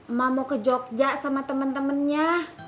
emak mau ke jogja sama temen temennya